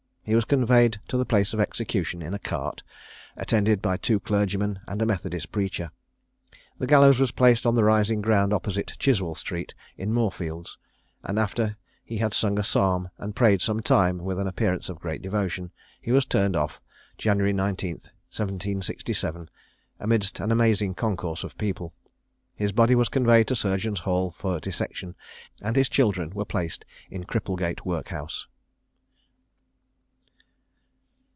He was conveyed to the place of execution in a cart, attended by two clergymen and a methodist preacher. The gallows was placed on the rising ground opposite Chiswell street, in Moorfields; and after he had sung a psalm, and prayed some time with an appearance of great devotion, he was turned off, January 19th, 1767, amidst an amazing concourse of people. His body was conveyed to Surgeons' Hali for dissection, and his children were placed in Cripplegate workhouse.